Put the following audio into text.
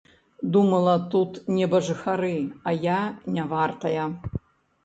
Думала, тут небажыхары, а я нявартая.